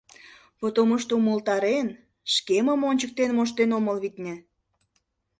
Потомушто умылтарен, шкемым ончыктен моштен омыл, витне.